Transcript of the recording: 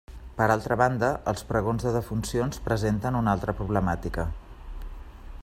Per altra banda, els pregons de defuncions presenten una altra problemàtica.